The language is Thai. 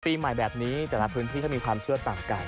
ปีใหม่แบบนี้แต่ละพื้นที่เขามีความเชื่อต่างกัน